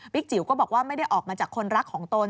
จิ๋วก็บอกว่าไม่ได้ออกมาจากคนรักของตน